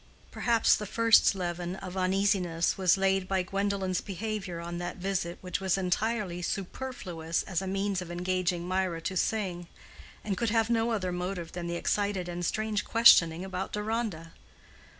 Perhaps the first leaven of uneasiness was laid by Gwendolen's behavior on that visit which was entirely superfluous as a means of engaging Mirah to sing, and could have no other motive than the excited and strange questioning about Deronda.